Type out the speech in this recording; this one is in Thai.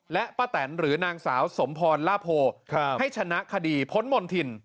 และป้าแตนหรือนางสาวสมพรล่าโพให้ชนะคดีพ้นมณฑิน